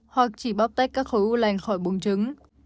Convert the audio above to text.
hoặc chỉ bóc tách các khối u lành khỏi bùng trứng